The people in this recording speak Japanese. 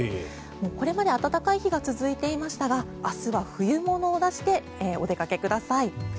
これまで暖かい日が続いていましたが明日は冬物を出してお出かけください。